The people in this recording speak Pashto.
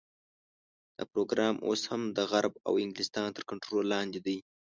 دا پروګرام اوس هم د غرب او انګلستان تر کنټرول لاندې دی.